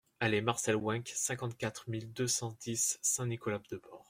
Allée Marcel Wenck, cinquante-quatre mille deux cent dix Saint-Nicolas-de-Port